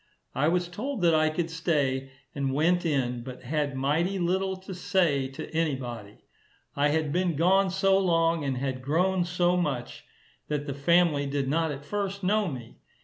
I was told that I could stay, and went in, but had mighty little to say to any body. I had been gone so long, and had grown so much, that the family did not at first know me.